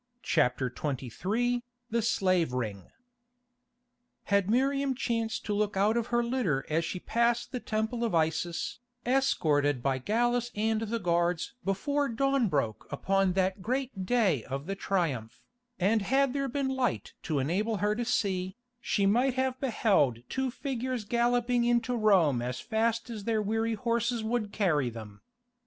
CHAPTER XXIII THE SLAVE RING Had Miriam chanced to look out of her litter as she passed the Temple of Isis, escorted by Gallus and the guards before dawn broke upon that great day of the Triumph, and had there been light to enable her to see, she might have beheld two figures galloping into Rome as fast as their weary horses would carry them.